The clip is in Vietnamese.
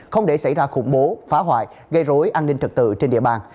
không để xảy ra khủng bố phá hoại gây rối an ninh trật tự trên địa bàn